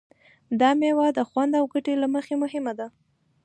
دا مېوه د خوند او ګټې له مخې مهمه ده.